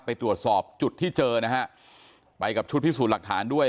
ไปตรวจสอบจุดที่เจอนะฮะไปกับชุดพิสูจน์หลักฐานด้วย